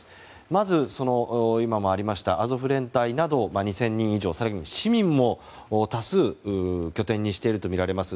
まず、今もありましたアゾフ連隊などが２０００人以上、市民も多数拠点にしているとみられます